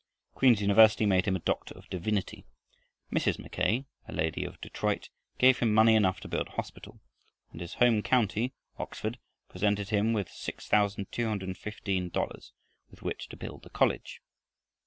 Queen's University made him a Doctor of Divinity; Mrs. Mackay, a lady of Detroit, gave him money enough to build a hospital; and his home county, Oxford, presented him with $6,215 with which to build a college.